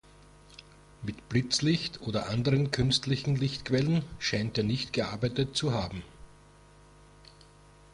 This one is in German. Mit Blitzlicht oder anderen künstlichen Lichtquellen scheint er nicht gearbeitet zu haben.